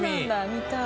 見たい。